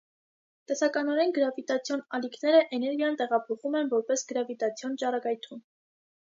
Տեսականորեն գրավիտացիոն ալիքները էներգիան տեղափոխում են որպես գրավիտացիոն ճառագայթում։